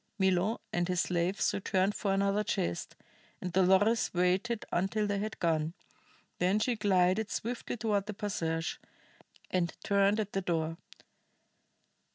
Milo and his slaves returned for another chest, and Dolores waited until they had gone; then she glided swiftly toward the passage, and turned at the door.